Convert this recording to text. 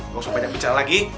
gak usah banyak bicara lagi